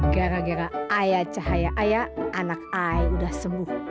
gara gara ayah cahaya ayah anak ai udah sembuh